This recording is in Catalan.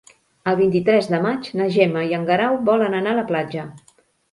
El vint-i-tres de maig na Gemma i en Guerau volen anar a la platja.